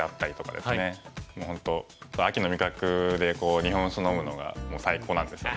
もう本当秋の味覚で日本酒飲むのが最高なんですよね。